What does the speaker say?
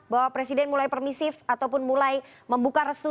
bahwa presiden mulai permisif ataupun mulai membuka restu